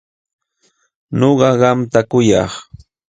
Ñuqa qamtam kuyak.